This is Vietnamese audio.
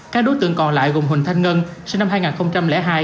các đối tượng còn lại gồm huỳnh thanh ngân sinh năm hai nghìn hai